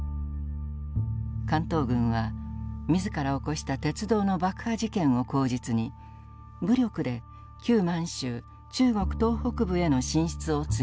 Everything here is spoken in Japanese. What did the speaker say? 関東軍は自ら起こした鉄道の爆破事件を口実に武力で旧満州中国東北部への進出を強めます。